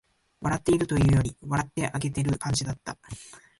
笑っているというより、笑ってあげてる感じだった